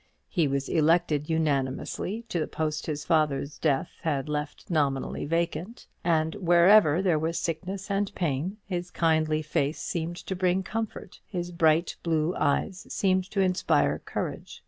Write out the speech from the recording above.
He was elected unanimously to the post his father's death had left nominally vacant; and wherever there was sickness and pain, his kindly face seemed to bring comfort, his bright blue eyes seemed to inspire courage.